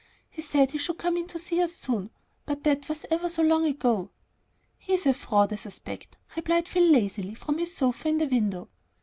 He said he should come in to see us soon; but that was ever so long ago." "He's a fraud, I suspect," replied Phil, lazily, from his seat in the window.